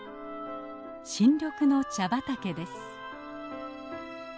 新緑の茶畑です。